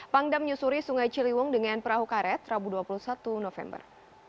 pangdam menyusuri sungai ciliwung dengan perahu karet rabu dua puluh satu november